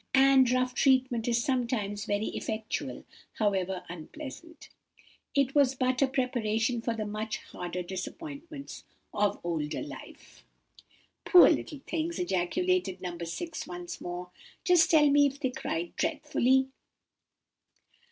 And rough treatment is sometimes very effectual, however unpleasant. It was but a preparation for the much harder disappointments of older life." "Poor little things!" ejaculated No. 6, once more. "Just tell me if they cried dreadfully."